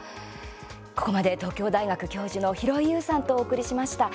ここまで東京大学教授の廣井悠さんとお送りしました。